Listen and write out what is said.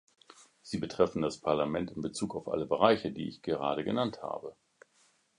Sie betreffen das Parlament in Bezug auf alle Bereiche, die ich gerade genannt habe.